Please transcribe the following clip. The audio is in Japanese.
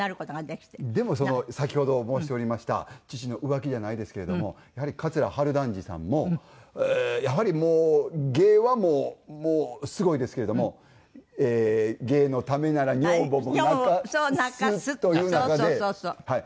でもその先ほど申しておりました父の浮気じゃないですけれどもやはり桂春団治さんもやはりもう芸はすごいですけれどもえー芸のためなら女房も泣かすという中ではい。